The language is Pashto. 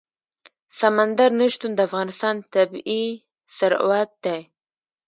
سمندر نه شتون د افغانستان طبعي ثروت دی.